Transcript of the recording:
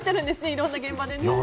いろんな現場でね。